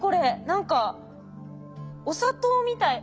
何かお砂糖みたい。